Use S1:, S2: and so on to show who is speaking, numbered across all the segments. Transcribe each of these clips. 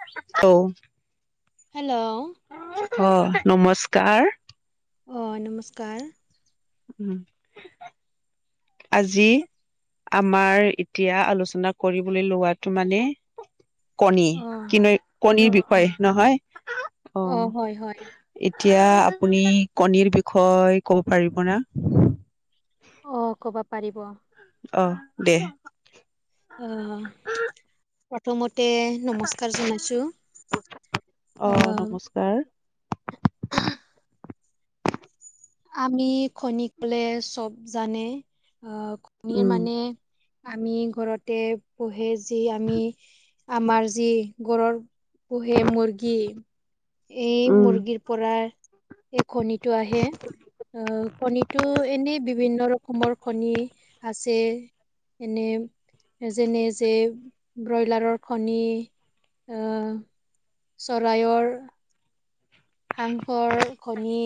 S1: [unintelligible]
S2: Hello.
S1: অ', নমস্কাৰ।
S2: অ' নমস্কাৰ।
S1: উম। আজি আমাৰ এতিয়া আলোচনা কৰিবলৈ লোৱাটো মানে কণী
S2: অ
S1: কিন
S2: অ
S1: কণীৰ
S2: অ
S1: বিষয় নহয় অ'।
S2: হয় হয়
S1: এতিয়া আপুনি কণীৰ বিষয়ে ক'ব পাৰিব না?
S2: অ' ক'ব পাৰিব।
S1: অ' দে।
S2: অ', প্ৰথমতে নমস্কাৰ জনাইছো।
S1: অ' নমস্কাৰ।
S2: আমি কণী কলে চব জানে। আহ কণীৰ
S1: উম
S2: মানে আমি ঘৰতে পঢ়ে যি আমি আমাৰ যি গৰৰ পোহে মুৰ্গী ৰ্গী এই
S1: উম
S2: মুৰ্গীৰ পৰা এই কণীটো আহে। অ', কণীটো এনেই বিভিন্ন কোমৰ কনী আছে। এনে যেনে যে ব্ৰইলাৰৰ কণী। আহ চৰাইৰ হাহৰ কণী।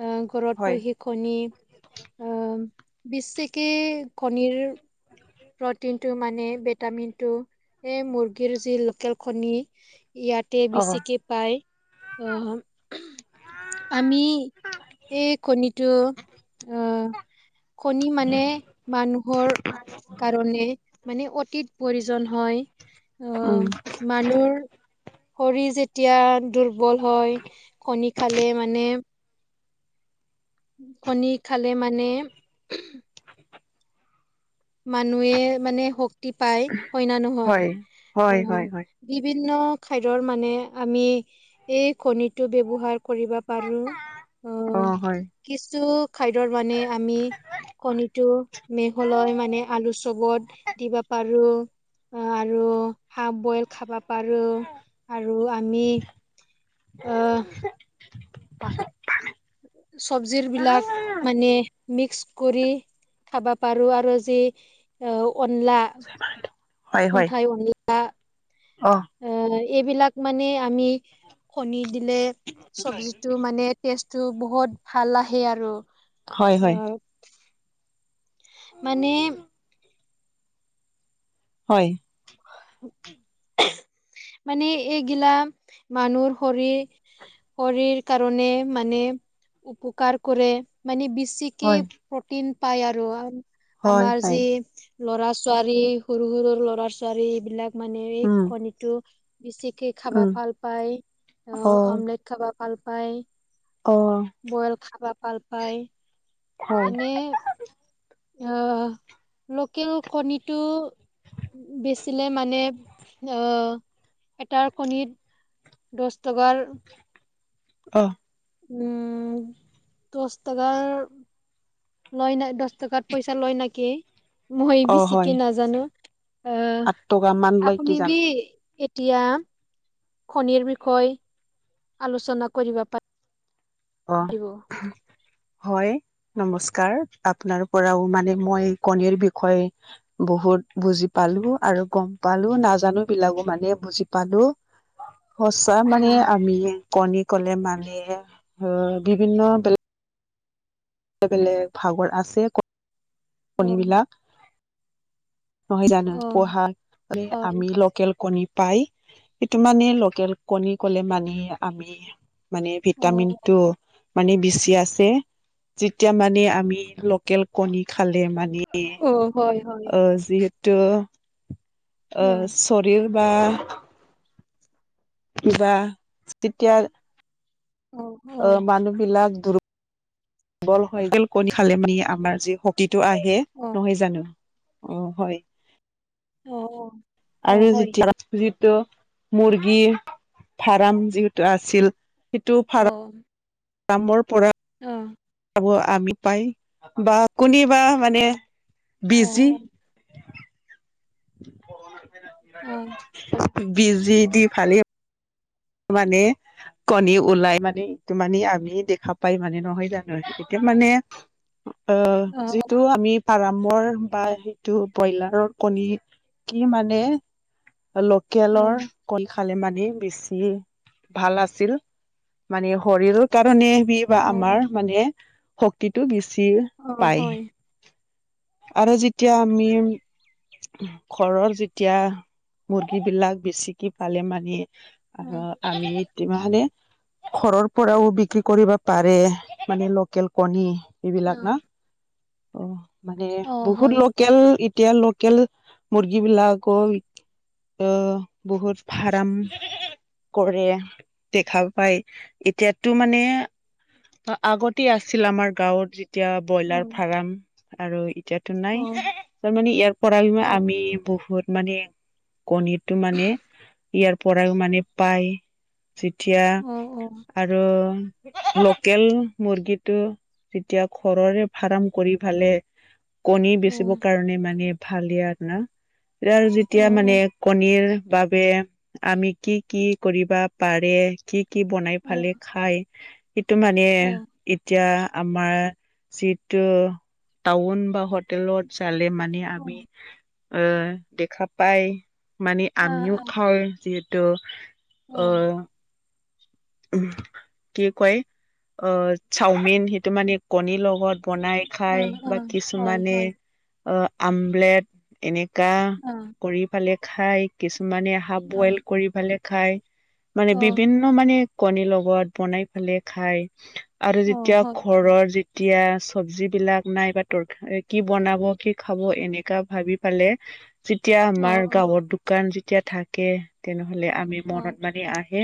S2: আহ ঘৰত
S1: হয়
S2: বহি কণী আহ বেছিকে কনীৰ প্ৰটিনটো মানে ভিটামিনটো এই মুৰ্গীৰ যি লোকেল কনি ইয়াতে
S1: অ'
S2: বেছিকৈ পাই অ'। আমি এই কণীটো আহ কণী মানে মানুহৰ কাৰণে মানে অতীত প্ৰয়োজন হয়।
S1: উম।
S2: মানুৰ শৰীৰ যেতিয়া দুৰ্বল হয় কণী খালে মানে কণী খালে মানে মানুহে মানে শক্তি পায় হয় নে নহয়
S1: হয়
S2: অ
S1: হয় হয় হয়
S2: বিভিন্ন খাদ্যৰ মানে আমি এই কনীটো ব্যৱহাৰ কৰিবা পাৰো অ কিছু খাদ্যৰ মানে আমি কণীটো মেহলয় ম মানে আলু চবত দিবা পাৰো আৰু হাফ বইল খাবা পাৰো আৰু আমি আহ চব্জিৰ বিলাক মানে মিক্স কৰি খাবা পাৰোঁ আৰু যি অন্লা
S1: হয় হয়
S2: খুথাই অন্লা
S1: অ
S2: অ এইবিলাক মানে আমি কনি দিলে চব্জিটো মানে তেষ্টটো বহুত ভাল আহে আৰু
S1: হয়
S2: অ
S1: হয়
S2: মানে
S1: হয়
S2: মানে এইগিলা মানুহৰ শৰীৰ শৰীৰ কাৰণে মানে উপকাৰ কৰে মানে বেছি একেই
S1: হয়
S2: প্ৰটিন পায় আৰু
S1: হয়
S2: আমাৰ
S1: হয়
S2: যি ল'ৰা ছোৱালী সৰু সৰু ল'ৰা ছোৱালী এইবিলাক মানে এই
S1: উম
S2: কণী টো বেছিকে খাবা
S1: উম
S2: ভাল পায় আহ
S1: অ'
S2: অমলেট খাবা ভাল পায়।
S1: অ'
S2: বইল খাবা ভাল পায়
S1: হয়
S2: এনে আহ লোকেল কণীটো বেছি দিলে মানে অ', এটাৰ কণী ত দশ টকাৰ
S1: অ',
S2: উম, দচ টকাৰ লৈ নাই দহ টকা পইচা লয় নেকি। মই বি
S1: অ' হয়
S2: চিকি নাজানো আহ
S1: আঠ টকা মান লয়
S2: আপুনি
S1: কিজান
S2: এতিয়া খনিৰ বিষয়ে আলোচনা কৰিব পাৰি।
S1: অ' হয় নমস্কাৰ আপোনাৰ পৰাও মানে মই কণীৰ বিষয়ে বহুত বুজি পালো আৰু গম পালো নাজানো বিলাকো মানে বুজি পালো সঁচা
S2: অ
S1: মানে আমি কণী কলে মানে অ', বিভিন্ন বেলেগ বেলে বেলেগ ভাগৰ আছে
S2: অ
S1: কণীবিলাক। নহয় জানো
S2: অ
S1: পোহা
S2: হয়
S1: আমি লোকেল কণী। পাই সিটো মানে লোকেল কণী কলে মানে আমি মানে
S2: অ
S1: ভিটামিন টো মানে বেছি আছে। যেতিয়া মানে আমি লোকেল কণী খালে মানে
S2: অ হয় হয়
S1: অ', যিহেতু তো
S2: অ
S1: শৰীৰ বা কিবা তেতিয়া
S2: অ'।
S1: অ', মানুহ বিলাক দ বল হয় কণী খালে মানে আমাৰ যি শক্তিটো আহে
S2: অ
S1: নহয় জানো অ', হয়।
S2: অ' অ
S1: আৰু
S2: হয়
S1: যেতিয়া যিটো মুৰ্গী ফাৰাম যিটো আছিল সেইটো
S2: অ'।
S1: কামৰ পৰা
S2: অ'।
S1: পাব, আমি পাই বা কোনিবা মানে
S2: অ
S1: বিজি
S2: অ অ'।
S1: বিজি দি ফালে মানে কণী ওলাই মানে, টো মানে আমি দেখা পাই মানে নহয় জানো? এতিয়া মানে অ', যিহেতু আমি আৰামৰ বা সেইটো ব্ৰইলাৰৰ কণী কি মানে ল'কেলৰ কল খালে মানে বেছি ই ভাল আছিল মানে শৰীৰৰ কাৰণে ৰি বা আমাৰ মানে শক্তিটো বেছি পায়।
S2: হয়
S1: আৰু যেতিয়া আমি ঘৰৰ যেতিয়া মুৰ্গীবিলাক বেছিকি পালে মানে [unintelligible] আমি এতি মানে ঘৰৰ পৰাও বিক্ৰী কৰিব পাৰে মানে ল'কেল কণী এইবিলাক না? অ', মানে বহুত ল'কেল, এতিয়া লোকেল মুৰ্গীবিলাকৰ অ', বহুত ফাৰাম কৰে, দেখা পায়। এতিয়োতো মানে অ' আগতে আছিল আমাৰ গাঁৱত যে তিয়া ব্ৰইলাৰ ফাৰাম আৰু এতিয়াতো নাই। তাৰ মানে ইয়াৰ পৰা আমি বহুত মানে কণীটো মানে ইয়াৰ পৰাও মানে পাই। যেতিয়া আ ৰু ল'কেল মুৰ্গীটো যেতিয়া ঘৰৰে ফাৰাম কৰি ফালে, কণী বেচিবৰ কাৰণে মানে ভালে আৰ না? [unintelligible] আৰু যেতিয়া মানে কণীৰ বাবে আমি কি কি কৰিবা পাৰে কি কি বনাই ফালে খাই, এইটো মানে এতিয়া আমাৰ যিটো টাউন বা হোটেলত চালে মা নে আমি অ' দেখা পাই, মানে আমিও খাওঁ যিহেতু। টো অ' কি কয়, অ' চাওমিন সেইটো মানে কণীৰ লগত বনাই খায় বা কিছুমানে আ, আমলেট এনেকা কৰি পালে খাই। কিছুমানে হাফ বইল কৰি পেলে খায়। মানে বিভিন ন মানে কণীৰ লগত বনাই পেলে খাই আৰু যেতিয়া ঘৰৰ তিয়াছ। চব্জবিলাক নাই বা তৰ, কি বনাব, কি খাব এনেকা ভাবি পালে যেতিয়া আমাৰ গাঁৱৰ দোকান যেতিয়া থাকে তেনেহ'লে আমি মনত মানি আহে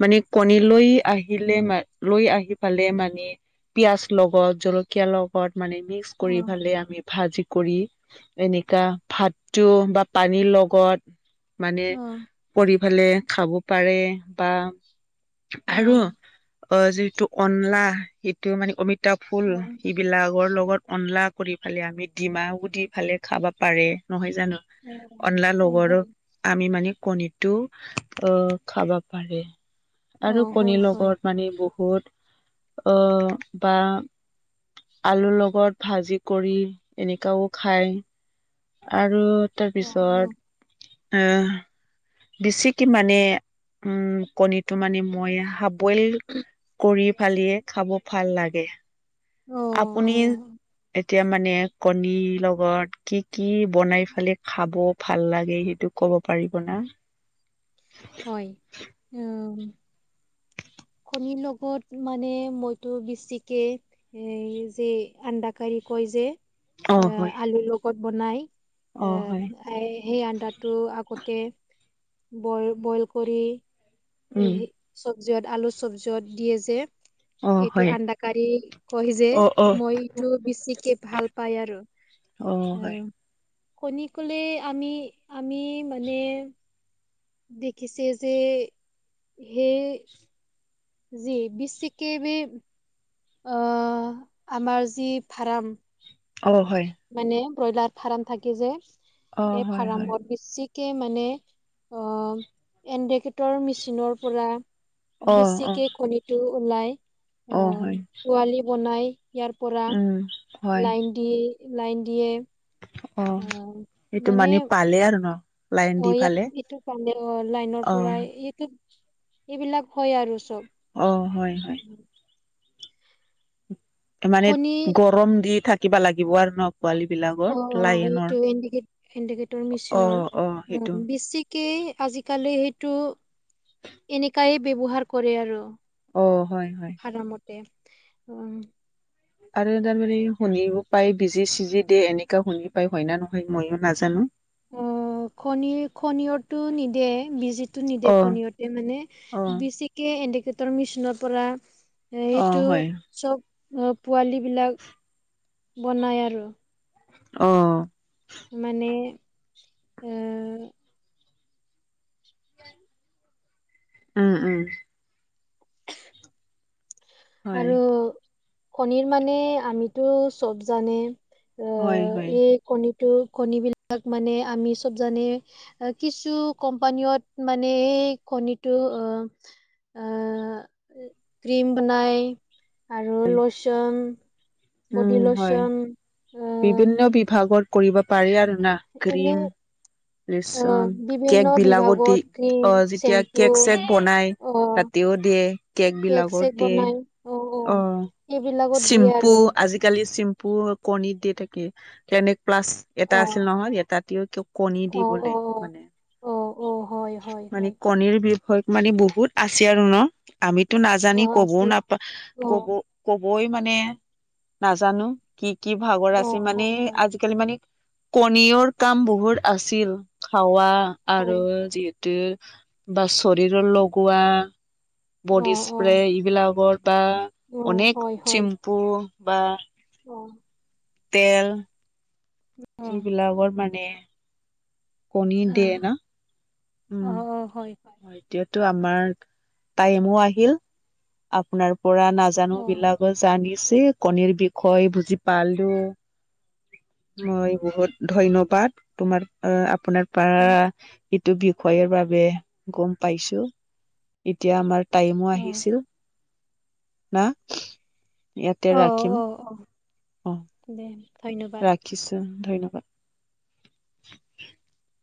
S1: মানে কণী লৈ আহিলে মা লৈ আহি পালে মানে, পিয়াজ লগত জল একে লগত মানে মিক্স কৰি ফালে আমি ভাজি কৰি এনেকা ভাতটো বা পানীৰ লগত মানে কৰি ফালে খাব পাৰে বা আৰু অ' যিটো অনলা সিটো মানে অমিতা ফুল বিলাকৰ লগত অনলা কৰি ফালে আমি ডিমা গুটি দি ফালে খাব পাৰে নহয় জানো। অনলা লবৰ আমি মানে কণীটো অ' খাব পাৰে। আৰু কণীৰ লগত মানে বহুত আহ বা আলুৰ লগত ভাজি কৰি এনেকাও খাই আৰু তাৰপিছত আহ বেছিকে মানে উম' কণীটো মানে মই খাব বইল কৰি ফালে খাব ভাল লাগে।
S2: অ'
S1: আপুনি এতিয়া মানে কণীৰ লগত কি-কি বনাই ফালে খাব ভাল লাগে? সেইটো ক'ব পাৰিব না?
S2: হয় উম'। কণীৰ লগত মানে মইতো বেছিকে এ যে আণ্ডাকাৰী কয় যে
S1: অ'
S2: এ
S1: হয়,
S2: আলুৰ লগত বনাই
S1: অ'
S2: এ
S1: হয়,
S2: খাই সেই আন্দাটো আগতে বইল কৰি-কৰি এ
S1: উম,
S2: চব্জিয়ত আলুৰ চব্জিত দিয়ে যে
S1: অ'
S2: এইটো
S1: হয়,
S2: আডাকাৰী কয় যে
S1: অ' অ',
S2: মই টো বেছিকে ভাল পায় আৰু
S1: অ' হয়,
S2: আহ কণী ক'লে আমি-আমি মানে দেখিছে যে সেই জি বিশ্ব কে ম আমাৰ যি ফাৰ্ম
S1: অ হয় [unintelligible]
S2: মানে ব্ৰইলাৰ ফাৰ্ম থাকে যে
S1: অ'
S2: এই
S1: হয়, হয়,
S2: ফাৰ্মত বেছিকে মানে অ' এন্দেকেটৰ মেচিনৰ পৰা
S1: অ' অ',
S2: বেচিকে কণীটো ওলাই, আ
S1: অ' হয়,
S2: পোৱালি বনাই ইয়াৰ পৰা
S1: উম, হয়।
S2: লাইন দিয়ে, লাইন দিয়ে।
S1: অ' সেইটো মানে পালে আৰু ন? লাইন দি
S2: অ' ইয়াত
S1: ফালে
S2: এইটো [unintelligible] লাইনৰ
S1: অ
S2: পৰাই এইটো [unintelligible] এইবিলাক হয় আৰু চব।
S1: অ' হয়-হয়। [unintelligible] মানে
S2: কণী
S1: গৰম দি থাকিবা লাগিব আৰু ন পোৱালি বিলাক?
S2: অ' অ' এইটো [unintelligible] ইণ্ডিকেটৰ
S1: অ
S2: মেচিনৰ অ'
S1: সেইটো
S2: বেছিক কে আজিকালি সেইটো এনেকাই ব্যৱহাৰ কৰে আৰু।
S1: অ' হয়-হয়।
S2: [unintelligible] মতে অ'
S1: আৰু তাৰমানে শুনিব পাই বিজি-চিজি দিয়ে, এনেকা শুনি পায় হয় না নহয় মইয়ো নাজানোঁ।
S2: অ' কণী কণীয়টো নিদিয়ে, বিজিতো নিদিয়ে
S1: অ
S2: কণীয়তে মানে
S1: অ
S2: বেছিকে এণ্ডিকেটৰ মেচিনৰ পৰা
S1: অ
S2: এইটো
S1: হয়
S2: চব। [unintelligible] অ' পোৱালিবিলাক বনায় আৰু।
S1: অ',
S2: মানে আ,
S1: আ, আ, আ। হয়
S2: আৰু কণীৰ মানে, আমিতো চব জানো
S1: হয়
S2: অ',
S1: হয়
S2: এই কণীটো কণীবিলাক মানে আমি চব জানো কিছু কোম্পানীত মানে এই কণীটো অ' আ, ক্ৰীম বনাই আৰু লোচন
S1: উম হয়
S2: বডিলোচন
S1: বিভিন্ন বিভাগত কৰিব পাৰি আৰু না
S2: এনে
S1: ক্ৰীম
S2: অ'
S1: ৰেচন
S2: বিভিন্ন
S1: কেকবিলাকত দি
S2: বিভাগত ক্ৰীম,
S1: অ', যেতিয়া
S2: চেম্পু
S1: কেক-চেক বনাই
S2: অ'
S1: ৰাতিও দিয়ে,
S2: কেক চেক
S1: কেকবিলাকত দিয়ে
S2: বনাই অ'
S1: অ'
S2: এইবিলাকত দিয়ে আৰু
S1: চিম্পু আজিকালি চিম্পুও কণী দিয়া থাকে ক্লিনিক প্লাচ এটা
S2: অ'
S1: আছিল নহয় এটা [unintelligible] কণী দি
S2: অ'
S1: বোলে
S2: অ'
S1: বনাই।
S2: অ' অ', হয়। হয়
S1: মানে
S2: হয়
S1: কণীৰ বিষয়ত মানে বহুত আছে আৰু ন আমিতো নাজানো
S2: অ'
S1: ক'বও
S2: আছিল
S1: নাপা ক'ব
S2: অ'
S1: ক'বই মানে নাজানো কি, কি ভাগৰ
S2: অ'
S1: আছে মানে,
S2: হয় হয়
S1: আজিকালি মানে কণীৰো কাম বহুত আছিল খোৱা
S2: হয়
S1: আৰু [unintelligible] বা শৰীৰত লগোৱা
S2: অ' অ'
S1: বডিস্প্ৰে, এইবিলাকৰ বা
S2: অ'
S1: অনেক
S2: হয় হয়
S1: চিম্পু বা
S2: অ',
S1: তেল
S2: অ'
S1: এইবিলাকত মানে কণী
S2: আহ
S1: দিয়ে ন? উম,
S2: অ' অ' হয় হয়
S1: এতিয়াতো আমাৰ টাইমো আহিল আপোনাৰ পৰা
S2: অ'
S1: নজনাবিলাক জানিছো, কণীৰ বিষয়ে বুজি পালো মই বহুত ধন্যবাদ। তোমাৰ আ আপোনাৰ পৰা
S2: হয় ন?
S1: এইটো বিষয়ৰ বিষয়ে গম পাইছোঁ। এতিয়া আমাৰ টাইমো
S2: অ'
S1: আহিছিল, ন ইয়াতে
S2: অ'
S1: ৰাখিম
S2: অ', অ',
S1: অ
S2: দে ধন্যবাদ।
S1: [unintelligible] ধন্যবাদ। [unintelligible]